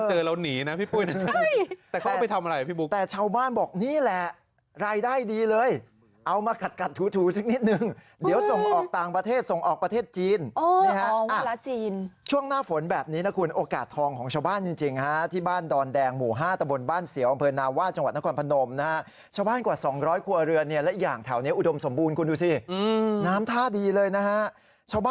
ทุดมิดค่ะบ้านบอกนี่แหล่อรายได้ดีเอามาขัดทูนิดนึงเดี๋ยวส่งออกต่างระเทศส่งออกประเทศจีนช่วงหน้าฝนแบบนี้คุณโอกาสทองของชาวบ้านจริงจริงที่บ้านดอนแดงหมู่๕ะบนบ้านเสียอกำเภณาว่าจังหวัดนครพนมชาวบ้านกว่า๒๐๐คั่วเรือนนี้ไม่อย่างแถวนี้อุดมสมบูรณ์คุณดูดีเลยนะชาวบ้